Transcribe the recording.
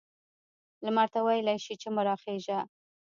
لمر ته ویلای شي چې مه را خیژه؟